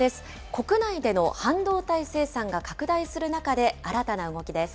国内での半導体生産が拡大する中で新たな動きです。